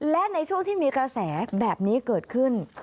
และในช่วงที่มีกระแสแบบนี้เกิดขึ้น